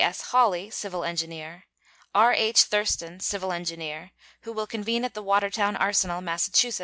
S. Holly, civil engineer; R.H. Thurston, civil engineer, who will convene at the Watertown Arsenal, Mass.